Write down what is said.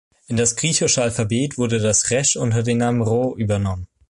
In das griechische Alphabet wurde das Resch unter dem Namen Rho übernommen.